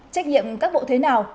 trách nhiệm các bộ thế nào